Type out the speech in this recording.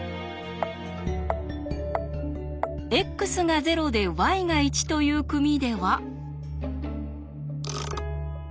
ｘが０でｙが１という組では。